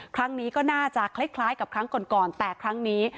ครั้งนี้ก็น่าจะคล้ายกับครั้งก่อนก่อนแต่ครั้งนี้